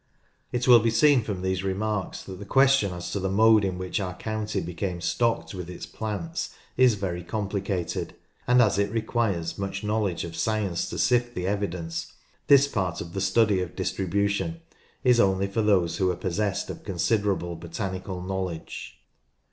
It will be seen from these remarks that the question as to the mode in which our county became stocked with its plants is very complicated, and as it requires much knowledge of science to sift the evidence, this part of the study of distribution is only for those who are possessed of considerable botanical knowledge.